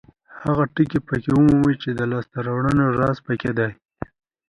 هغه ټکي پکې ومومئ چې د لاسته راوړنو راز پکې دی.